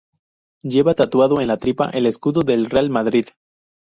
Lleva tatuado en la tripa el escudo del Real Madrid.